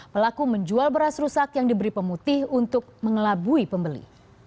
pelaku menjual beras rusak yang diberi pemutih untuk mengelabui pembeli